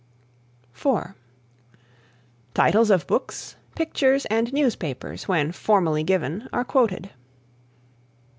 (4) Titles of books, pictures and newspapers when formally given are quoted.